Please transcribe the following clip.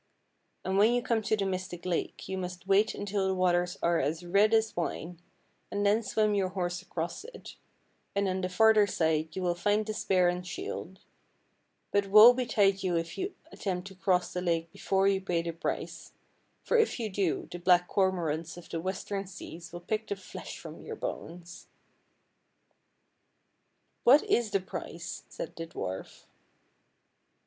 And when you come to the Mystic Lake you must wait until the waters are as red as wine, and then swim your horse across it, and on the farther side you PRINCESS AND DWARF 159 will find the spear and shield; but woe betide you if you attempt to cross the lake before you pay the price, for if you do, the black Cormorants of the Western Seas will pick the flesh from your bones." " What is the price? " said the dwarf.